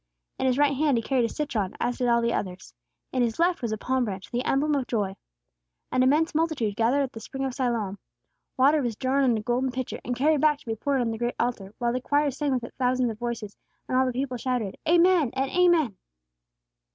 In his right hand he carried a citron, as did all the others; in his left was a palm branch, the emblem of joy. An immense multitude gathered at the spring of Siloam. Water was drawn in a golden pitcher, and carried back to be poured on the great altar, while the choir sang with its thousands of voices, and all the people shouted, Amen and Amen!